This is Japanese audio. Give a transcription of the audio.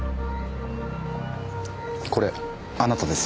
これあなたですよね。